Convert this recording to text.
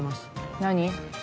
何？